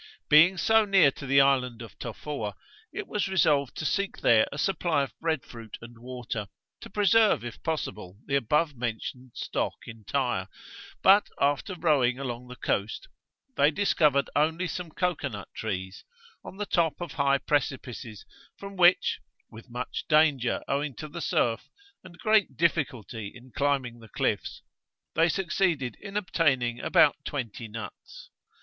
Being so near to the island of Tofoa, it was resolved to seek there a supply of bread fruit and water, to preserve if possible the above mentioned stock entire; but after rowing along the coast, they discovered only some cocoa nut trees, on the top of high precipices, from which, with much danger owing to the surf, and great difficulty in climbing the cliffs, they succeeded in obtaining about twenty nuts.